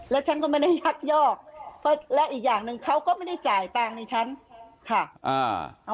และฉันก็ไม่ได้ยักยอกและอีกอย่างนึงเขาก็ไม่ได้จ่ายเงินในฉันค่ะ